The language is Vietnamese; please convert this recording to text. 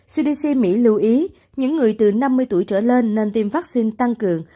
cdc mỹ lưu ý những người từ năm mươi tuổi trở lên nên tiêm vaccine tăng cường